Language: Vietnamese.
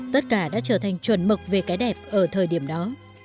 tất cả đã trở thành chuẩn mực về cái đẹp ở thời điểm đó